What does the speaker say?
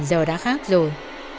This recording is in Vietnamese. giờ đã khác rồi